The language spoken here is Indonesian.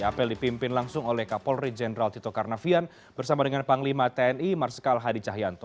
apel dipimpin langsung oleh kapolri jenderal tito karnavian bersama dengan panglima tni marsikal hadi cahyanto